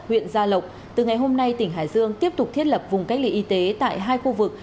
huyện gia lộc từ ngày hôm nay tỉnh hải dương tiếp tục thiết lập vùng cách ly y tế tại hai khu vực